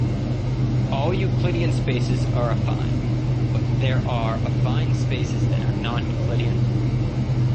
All Euclidean spaces are affine, but there are affine spaces that are non-Euclidean.